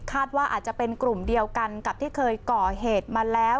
ว่าอาจจะเป็นกลุ่มเดียวกันกับที่เคยก่อเหตุมาแล้ว